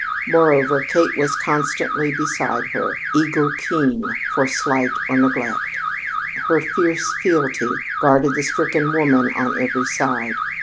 Moreover, Kate was constantly beside her, eagle keen for slight or neglect. Her fierce fealty guarded the stricken woman on every side.